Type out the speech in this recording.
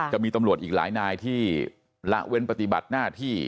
จะมีตำรวจอีกหลายนายที่ละเว้นปฏิบัติหน้าที่